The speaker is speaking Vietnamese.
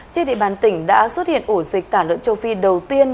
trên địa bàn tỉnh đã xuất hiện ổ dịch tả lợn châu phi đầu tiên